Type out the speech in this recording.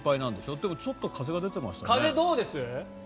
でも、ちょっと風が出てましたね。